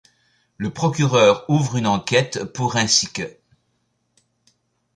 Le procureur ouvre une enquête pour ainsi qu'.